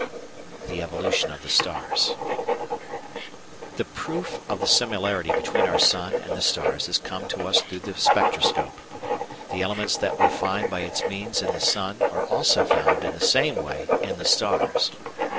The Evolution of Stars The proof of the similarity between our sun and the stars has come to us through the spectroscope. The elements that we find by its means in the sun are also found in the same way in the stars.